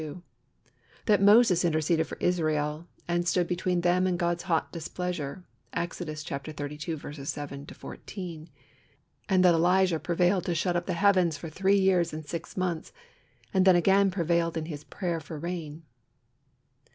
23 32); that Moses interceded for Israel, and stood between them and God's hot displeasure (Exodus xxxii. 7 14); and that Elijah prevailed to shut up the heavens for three years and six months, and then again prevailed in his prayer for rain.